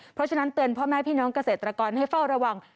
เพราะฉะนั้นเตือนพ่อแม่พี่น้องเกษตรกรให้เฝ้าระวัง